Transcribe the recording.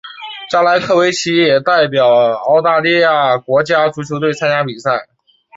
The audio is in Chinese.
加莱科维奇也代表澳大利亚国家足球队参加比赛。